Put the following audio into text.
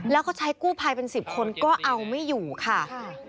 แล้วก็ใช้กู้ภัยเป็น๑๐คนก็เอาไม่อยู่ค่ะ